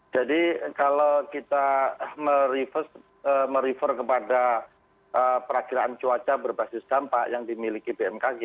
jadi kalau kita merefer kepada perakhiran cuaca berbasis dampak yang dimiliki bmkg